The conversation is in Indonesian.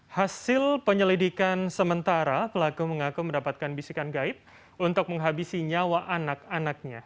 hasil penyelidikan sementara pelaku mengaku mendapatkan bisikan gaib untuk menghabisi nyawa anak anaknya